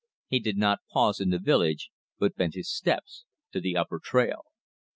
He did not pause in the village, but bent his steps to the river trail.